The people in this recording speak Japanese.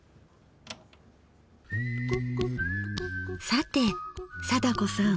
さて貞子さん。